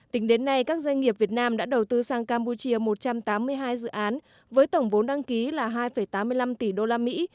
tính đến nay các doanh nghiệp việt nam đã đầu tư sang campuchia một trăm tám mươi hai dự án với tổng vốn đăng ký là hai tám mươi năm tỷ đô la mỹ